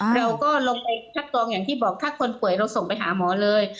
เราก็ลงไปคัดกรองอย่างที่บอกถ้าคนป่วยเราส่งไปหาหมอเลย